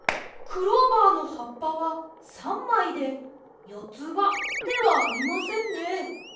クローバーのはっぱは３まいでよつばではありませんね。